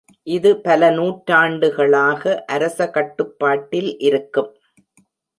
இது பல நூற்றாண்டுகளாக அரச கட்டுப்பாட்டில் இருக்கும்.